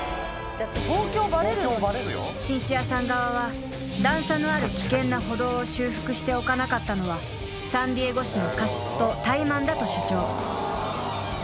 ［シンシアさん側は段差のある危険な歩道を修復しておかなかったのはサンディエゴ市の過失と怠慢だと主張］